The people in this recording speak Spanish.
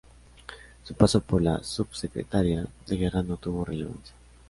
Su paso por la Subsecretaría de Guerra no tuvo relevancia.